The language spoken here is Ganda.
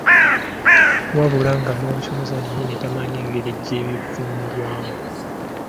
Wabula nga n’omusomesa yennyini tamanyi ngeri gye bivvunulwamu.